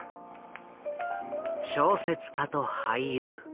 小説家と俳優。